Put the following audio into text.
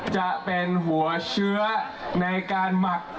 จะเป็นหัวเชื้อในการหมัก